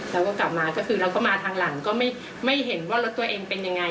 แล้วก็กลับมาก็คือเราก็มาทางหลังก็ไม่เห็นว่ารถตัวเองเป็นยังไง